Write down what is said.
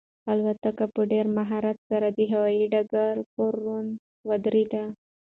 الوتکه په ډېر مهارت سره د هوایي ډګر پر رن وې ودرېده.